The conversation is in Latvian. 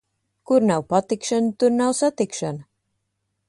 Kur nav patikšana, tur nav satikšana.